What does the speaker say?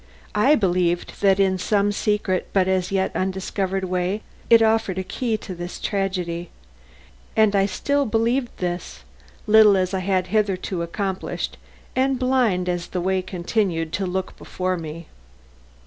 I believed that in some secret but as yet undiscovered way, it offered a key to this tragedy. And I still believed this, little as I had hitherto accomplished and blind as the way continued to look before me.